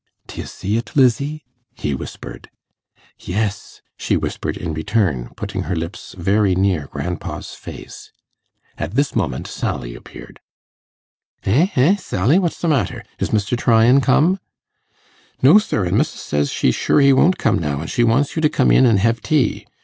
'D'ye see it, Lizzie?' he whispered. 'Yes,' she whispered in return, putting her lips very near grandpa's face. At this moment Sally appeared. 'Eh, eh, Sally, what's the matter? Is Mr. Tryan come?' 'No, sir, an' Missis says she's sure he won't come now, an' she wants you to come in an' hev tea.